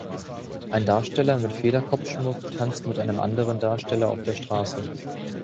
ein Darsteller mit Federkopfschmuck tanzt mit einem anderen Darsteller auf der Straße